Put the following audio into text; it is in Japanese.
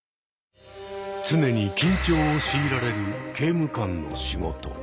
常に緊張を強いられる刑務官の仕事。